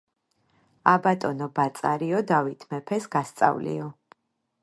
ა ბატონო ბაწარიო დავით მეფეს გასწავლიო.